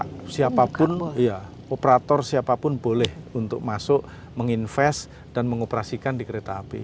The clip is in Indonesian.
nah yang bisa dihapus oleh pemerintah siapapun operator siapapun boleh untuk masuk menginvest dan mengoperasikan di kereta api